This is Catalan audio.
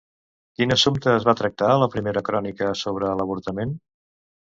Quin assumpte es va tractar a la primera crònica sobre l'avortament?